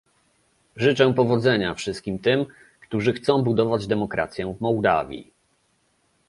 Życzę powodzenia wszystkim tym, którzy chcą budować demokrację w Mołdawii